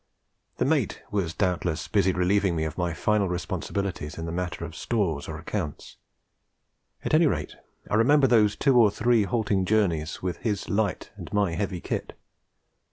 The mate was doubtless busy relieving me of my final responsibilities in the matter of stores or accounts; at any rate I remember those two or three halting journeys with his light and my heavy kit.